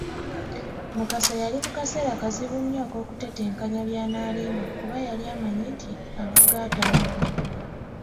Mukasa yali mu kaseera kazibu nnyo ak'okutetenkanya by'anaalimba kuba yali amanyi nti avuga atamidde.